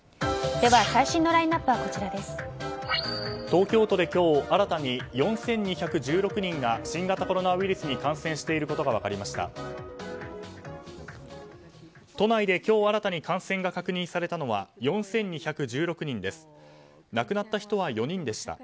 東京都で今日新たに４２１６人が新型コロナウイルスに感染していることが分かりました。